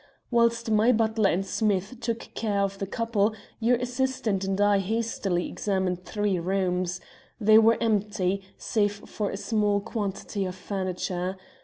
Whilst my butler and Smith took care of the couple, your assistant and I hastily examined three rooms. They were empty, save for a small quantity of furniture.